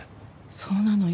そうなのよ。